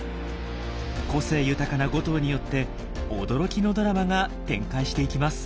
個性豊かな５頭によって驚きのドラマが展開していきます。